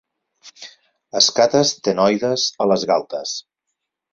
Escates ctenoides a les galtes.